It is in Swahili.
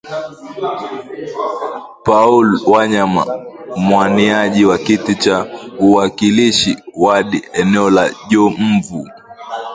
Paul Wanyama mwaniaji wa kiti cha uwakilishi wadi eneo la Jomvu